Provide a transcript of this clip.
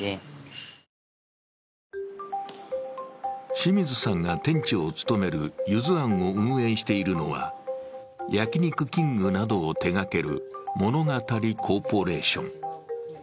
清水さんが店長を務めるゆず庵を運営しているのは、焼肉きんぐなどを手がける物語コーポレーション。